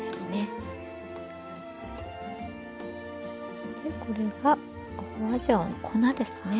そしてこれが花椒の粉ですね。